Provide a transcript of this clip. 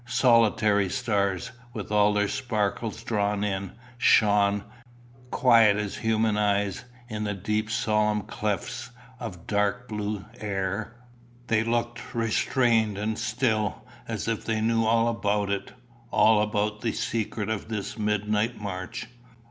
Solitary stars, with all their sparkles drawn in, shone, quiet as human eyes, in the deep solemn clefts of dark blue air. They looked restrained and still, as if they knew all about it all about the secret of this midnight march.